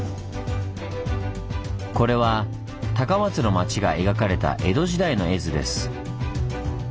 これは高松の町が描かれた江戸時代の絵図です。